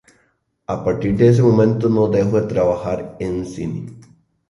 A partir de ese momento no dejó de trabajar en cine.